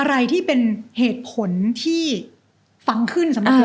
อะไรที่เป็นเหตุผลที่ฟังขึ้นสำหรับเรา